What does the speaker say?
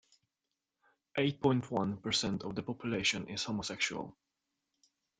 Eight-point-one percent of the population is homosexual.